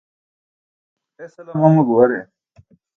Esala mama guware